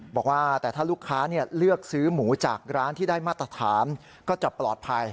บอกว่าแต่ถ้าลูกค้าเลือกซื้อหมูจากร้านที่ได้มาตรฐานก็จะปลอดภัย